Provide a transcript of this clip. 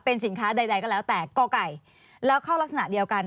เป็นสินค้าใดก็แล้วแต่ก่อไก่แล้วเข้ารักษณะเดียวกัน